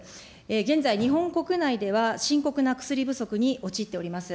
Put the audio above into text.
現在、日本国内では深刻な薬不足に陥っております。